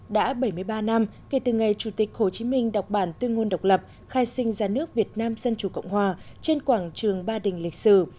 đã bảy mươi ba năm kể từ ngày chủ tịch hồ chí minh đọc bản tuyên ngôn độc lập khai sinh ra nước việt nam dân chủ cộng hòa trên quảng trường ba đình lịch sử